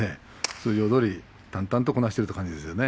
通常どおり淡々とこなしているという感じですよね。